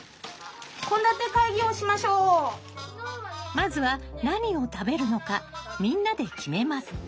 まずは何を食べるのかみんなで決めます。